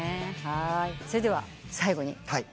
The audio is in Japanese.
それでは最後に。